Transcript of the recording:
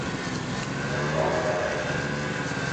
Min baz neda.